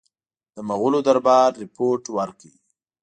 د مغولو دربار رپوټ ورکړ.